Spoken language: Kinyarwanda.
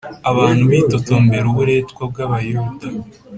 Abantu bitotombera uburetwa bw'Abayuda